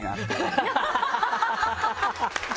ハハハハ！